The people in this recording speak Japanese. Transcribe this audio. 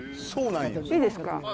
いいですか？